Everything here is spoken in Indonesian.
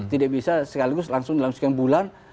tidak bisa sekaligus langsung dilangsungkan bulan